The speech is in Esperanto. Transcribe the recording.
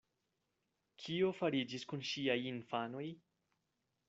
Kio fariĝis kun ŝiaj infanoj?